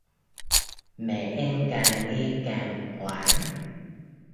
Mẹ em càng nghe càng hoảng